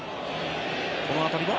この当たりは。